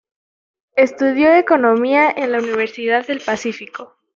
Estudió Economía en la Universidad del Pacífico.